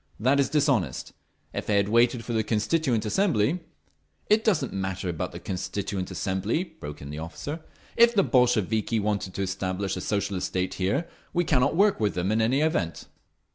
That is dishonest. If they had waited for the Constituent Assembly—" "It doesn't matter about the Constituent Assembly!" broke in the officer. "If the Bolsheviki want to establish a Socialist state here, we cannot work with them in any event!